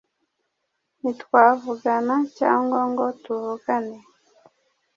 ntitwavugana cyangwa ngo tuvugane